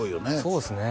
そうですね